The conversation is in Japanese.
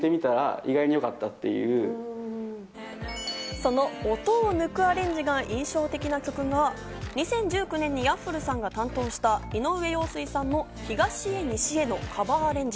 その音を抜くアレンジが印象的な曲が２０１９年にＹａｆｆｌｅさんが担当した井上陽水さんの『東へ西へ』のカバーアレンジ。